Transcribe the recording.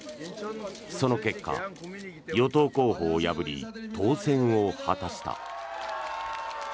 その結果、与党候補を破り当選を果たした。